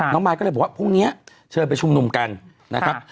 มายก็เลยบอกว่าพรุ่งนี้เชิญไปชุมนุมกันนะครับ